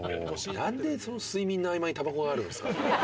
なんで睡眠の合間にたばこがあるんですか？